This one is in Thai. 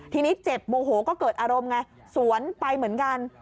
ทีนี้เจ็บโมโหก็เกิดอารมณ์ไงสวนไปเหมือนกัน